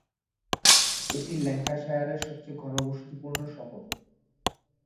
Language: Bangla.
এটি ল্যাঙ্কাশায়ারের সবচেয়ে ঘনবসতিপূর্ণ শহর।